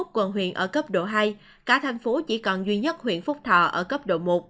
hai mươi một quận huyện ở cấp độ hai cả thành phố chỉ còn duy nhất huyện phúc thọ ở cấp độ một